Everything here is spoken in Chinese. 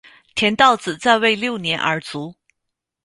田悼子在位六年而卒。